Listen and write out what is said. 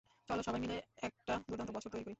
চল সবাই মিলে একটা দুর্দান্ত বছর তৈরি করি!